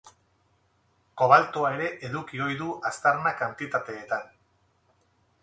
Kobaltoa ere eduki ohi du aztarna-kantitateetan.